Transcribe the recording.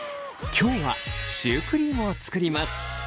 今日はシュークリームを作ります。